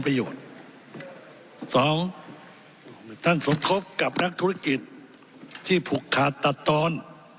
สองท่านสมทบกับนักธุรกิจที่ผูกขาดตัดตอน